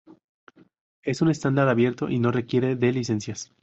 Es un estándar abierto y no requiere de licencias.